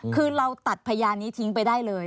คือเราตัดพยานนี้ทิ้งไปได้เลย